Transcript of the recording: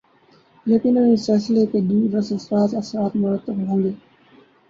یقینااس فیصلے کے دور رس اثرات اثرات مرتب ہو ں گے۔